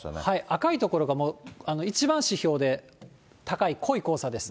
赤い所が一番指標で高い、濃い黄砂です。